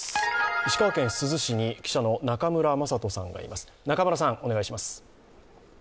石川県珠洲市に記者の中村雅人さんがいます。